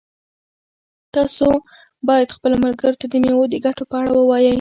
تاسو باید خپلو ملګرو ته د مېوو د ګټو په اړه ووایئ.